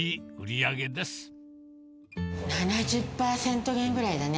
７０％減ぐらいだね。